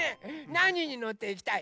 なににのっていきたい？